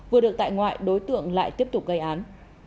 vừa được tại ngoại đối tượng lại tiếp tục gây án